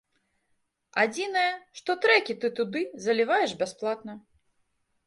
Адзінае, што трэкі ты туды заліваеш бясплатна.